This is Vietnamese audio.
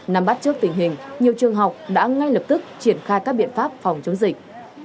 năm bắt trước tình hình nhiều trường học đã ngay lập tức triển khai các biện pháp phòng chống dịch